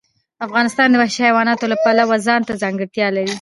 افغانستان د وحشي حیوانات د پلوه ځانته ځانګړتیا لري.